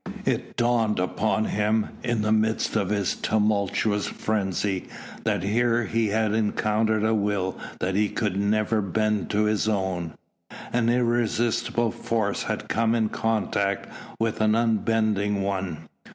It dawned upon him in the midst of his tumultuous frenzy that here he had encountered a will that he could never bend to his own an irresistible force had come in contact with an unbending one.